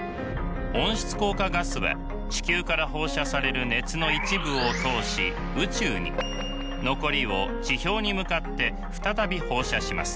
温室効果ガスは地球から放射される熱の一部を通し宇宙に残りを地表に向かって再び放射します。